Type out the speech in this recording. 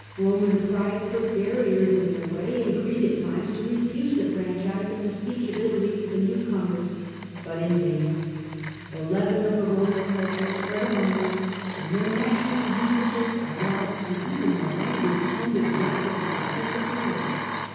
Roman pride put barriers in their way, and agreed at times to refuse the franchise and the speech of Italy to the new comers, but in vain. The leaven of the Roman culture spread among them, and their national usages and laws and even their language tended rapidly to disappear.